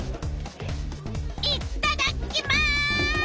いっただきます！